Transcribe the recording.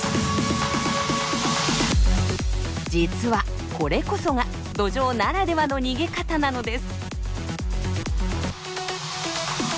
実はこれこそがドジョウならではの逃げ方なのです。